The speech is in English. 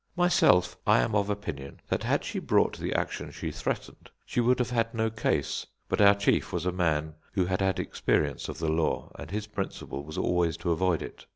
Myself, I am of opinion that had she brought the action she threatened, she would have had no case; but our chief was a man who had had experience of the law, and his principle was always to avoid it.